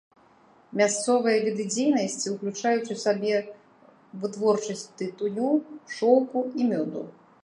Мясцовыя віды дзейнасці ўключаюць у сабе вытворчасць тытуню, шоўку і мёду.